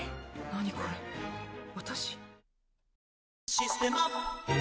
「システマ」